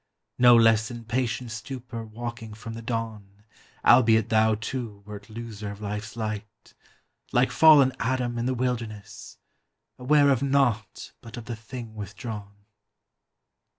no less In patient stupor walking from the dawn; Albeit thou too wert loser of life's light, Like fallen Adam in the wilderness, Aware of naught but of the thing withdrawn.